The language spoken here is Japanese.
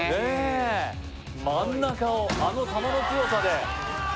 真ん中を、あの球の強さで。